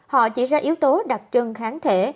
họ chỉ ra yếu tố đặc trưng kháng thể